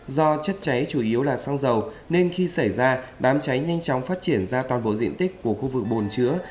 do chất cháy chủ yếu là xăng dầu nên khi xảy ra đám cháy nhanh chóng phát triển ra toàn bộ diện tích của khu vực bồn chữa